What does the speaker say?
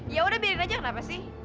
ya udah biarin aja kenapa sih